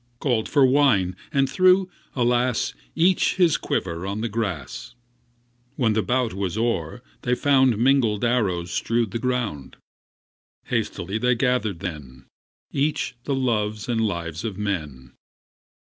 Called for wine, and threw — alas! — Each his quiver on the grass. When the bout was o'er they found Mingled arrows strewed the ground. Hastily they gathered then Each the loves and lives of men.